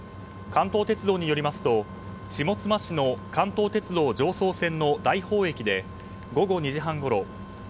関東鉄道によりますと下妻市の関東鉄道常総線の大宝駅で午後２時半ごろ